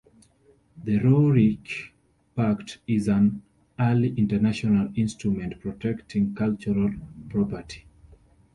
The Roerich Pact is an early international instrument protecting cultural property.